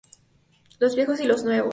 Los viejos y los nuevos.